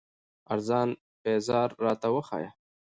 ارزان پېزار راته وښايه